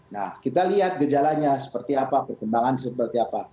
nah kita lihat gejalanya seperti apa perkembangan seperti apa